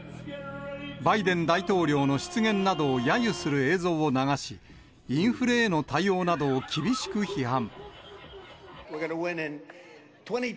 バイデン大統領の失言などをやゆする映像を流し、インフレへの対応などを厳しく批判。